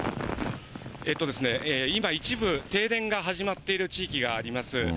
今、一部停電が始まっている地域があります。